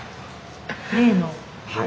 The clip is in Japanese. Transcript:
はい。